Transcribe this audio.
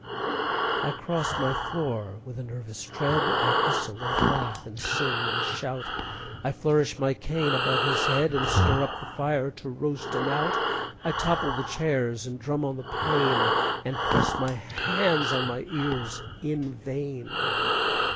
I cross my floor with a nervous tread, I whistle and laugh and sing and shout, I flourish my cane above his head, And stir up the fire to roast him out; I topple the chairs, and drum on the pane, And press my hands on my ears, in vain!